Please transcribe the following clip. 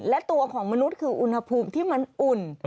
และตัวของมนุษย์คืออุณหภูมิที่มันอุ่น